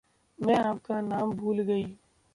मैं आपका नाम भूल गयी।